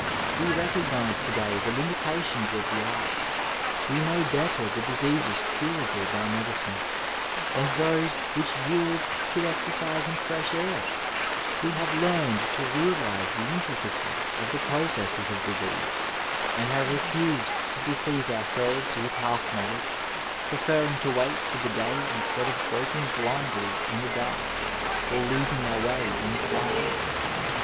We recognize to day the limitations of the art; we know better the diseases curable by medicine, and those which yield to exercise and fresh air ; we have learned to realize the intricacy of the processes of disease, and have refused to deceive ourselves with half knowledge, preferring to wait for the day instead of groping blindly in the dark or losing our way in the twilight.